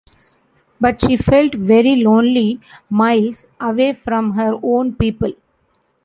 But she felt very lonely, miles away from her own people.